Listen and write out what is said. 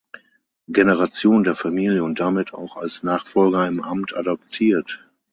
Generation der Familie und damit auch als Nachfolger im Amt adoptiert.